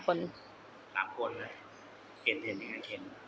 ๓คนเลยเห็นยังไง